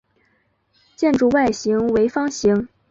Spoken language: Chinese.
建筑外形为方形。